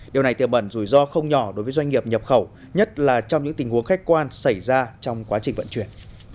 điều này tiềm bẩn rủi ro không nhỏ đối với doanh nghiệp nhập khẩu nhất là trong những tình huống khách quan xảy ra trong quá trình vận chuyển